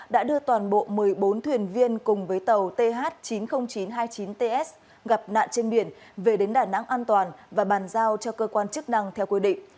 đã đưa toàn bộ một mươi bốn thuyền viên cùng với tàu th chín mươi nghìn chín trăm hai mươi chín ts gặp nạn trên biển về đến đà nẵng an toàn và bàn giao cho cơ quan chức năng theo quy định